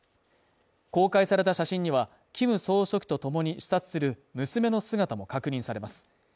公開された写真には、キム総書記とともに視察する娘の姿も確認されます。